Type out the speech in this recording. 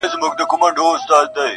شپږ اووه شپې په ټول ښار کي وه جشنونه!.